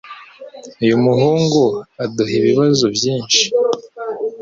Uyu muhungu aduha ibibazo byinshi.